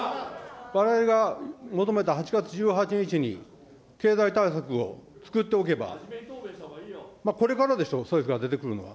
われわれが求めた８月１８日に経済対策をつくっておけば、これからでしょう、出てくるのは。